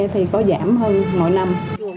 thì có giảm hơn mỗi năm